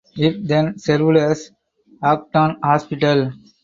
It then served as Aughton Hospital.